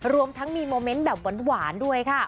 รวมทั้งมีโมเมนต์แบบหวานด้วยค่ะ